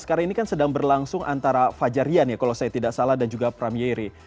karena ini kan sedang berlangsung antara fajarian ya kalau saya tidak salah dan juga premieri